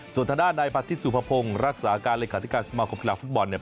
สวทนานายพัฒนิชย์สุภพงศ์รักษาการรายการที่การสมาคมกีฬาฟุตบอลเนี่ย